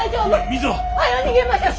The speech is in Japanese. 水は？はよ逃げましょう！